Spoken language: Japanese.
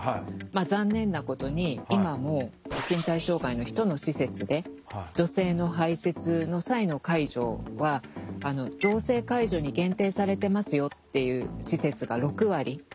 残念なことに今も身体障害の人の施設で女性の排せつの際の介助は同性介助に限定されてますよっていう施設が６割。